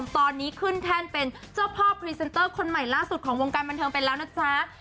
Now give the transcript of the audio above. ตอนนี้ขึ้นแทนเป็นเจ้าพ่อคนใหม่ล่าสุดของวงการบรรเทิงไปแล้วนะจ๊ะ